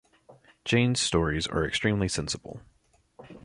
Jane’s stories are extremely sensible.